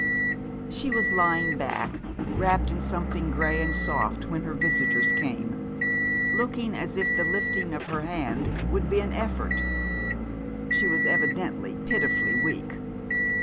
She was lying back, wrapped in something gray and soft, when her visitors came, looking as if the lifting of her hand would be an effort. She was evidently pitifully weak.